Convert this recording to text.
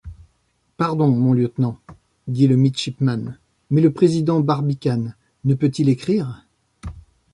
Pardon, mon lieutenant, dit le midshipman, mais le président Barbicane ne peut-il écrire?